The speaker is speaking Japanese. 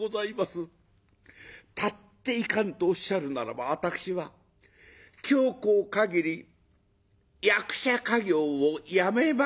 たっていかぬとおっしゃるならばわたくしは向後限り役者稼業をやめまする」。